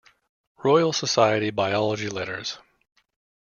Royal Society Biology Letters.